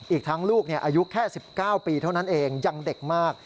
อีกทั้งลูกอายุแค่๑๙ปีเท่านั้นเองยังเด็กมาก